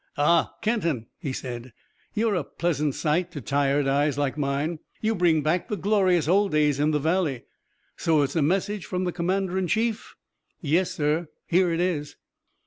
"Ah! Kenton," he said, "you're a pleasant sight to tired eyes like mine. You bring back the glorious old days in the valley. So it's a message from the commander in chief?" "Yes, sir. Here it is."